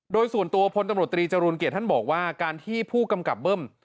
โดยส่วนตัวพลตำรวจตรีจรูลเกียรติท่านบอกว่าการที่ผู้กำกับเบิ้ม